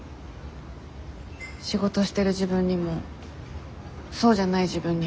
仕事してる自分にもそうじゃない自分にも。